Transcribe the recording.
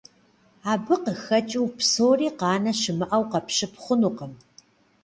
Абы къыхэкӀыу псори къанэ щымыӀэу къэпщып хъунукъым.